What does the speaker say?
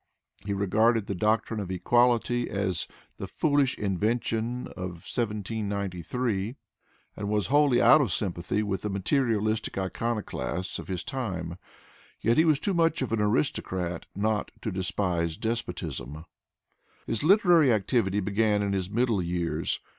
He regarded the doctrine of equality as " the foolish invention of 1793,'' and was wholly out of sympathy with the materialistic iconoclasts of his time. Yet he was too much of an aristocrat not to despise despotism. His literary activity began in his middle years.